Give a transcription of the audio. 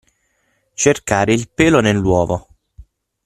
Cercare il pelo nell'uovo.